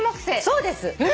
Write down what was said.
そうです。